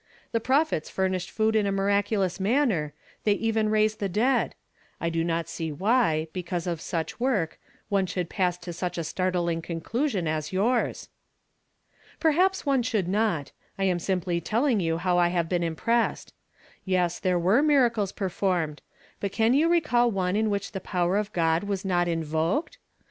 'J'he prophets fui iiished food in a miiac ulous manner; they even raised the dead. I do not see why, because of such work, one should pass to such a startling conclusion as youi s." "Perhaps one should not; I am simply telling you how I have been impressed. Yes, there were miracles performed, but can you recall one in which the power of God was not invoked?